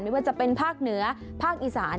ไม่ว่าจะเป็นภาคเหนือภาคอีสาน